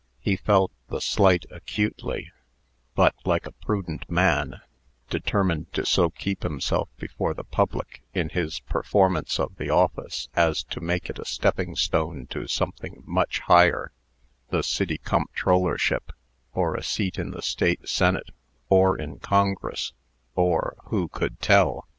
He felt the slight acutely, but, like a prudent man, determined to so keep himself before the public in his performance of the office, as to make it a stepping stone to something much higher the city comptrollership, or a seat in the State Senate, or in Congress, or (who could tell?)